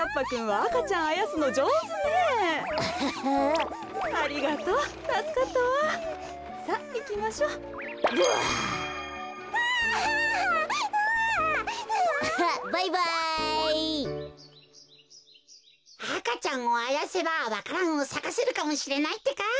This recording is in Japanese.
赤ちゃんをあやせばわか蘭をさかせるかもしれないってか。